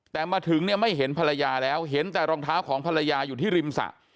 แต่มาถึงเนี่ยไม่เห็นภรรยาแล้วเห็นแต่รองเท้าของภรรยาอยู่ที่ริมสระ